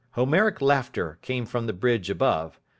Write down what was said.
Homeric laughter came from the bridge above.